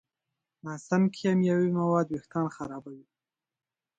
ناسم کیمیاوي مواد وېښتيان خرابوي.